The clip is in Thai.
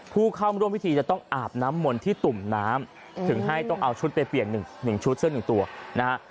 ผู้เข้าร่วมพิธีจะต้องอาบน้ำมนต์ที่ตุ่มน้ำถึงให้ต้องเอาชุดไปเปลี่ยน๑ชุดเสื้อหนึ่งตัวนะฮะ